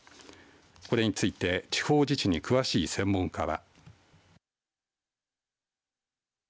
これについて地方自治に詳しい専門家は。